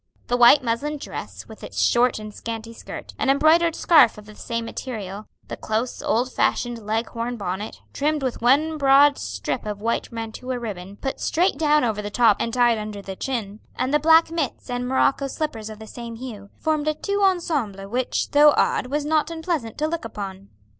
The white muslin dress with its short and scanty skirt, an embroidered scarf of the same material, the close, old fashioned leg horn bonnet, trimmed with one broad strip of white mantua ribbon, put straight down over the top and tied under the chin, and the black mitts and morocco slippers of the same hue, formed a tout ensemble which, though odd, was not unpleasant to look upon.